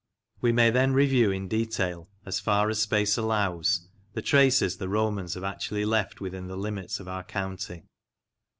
We may then review in detail, as far as space allows, the traces the Romans have actually left within the limits of our county.